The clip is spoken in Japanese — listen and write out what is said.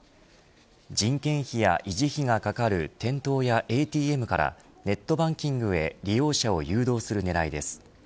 人件費や維持費がかかる店頭やＡＴＭからネットバンキングへ利用者を誘導する狙いです。